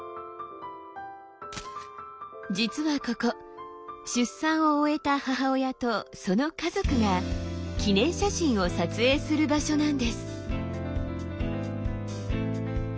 実はここ出産を終えた母親とその家族が記念写真を撮影する場所なんです。